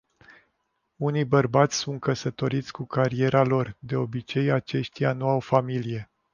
Unii bărbați sunt căsătoriți cu cariera lor. De obicei aceștia nu au familie.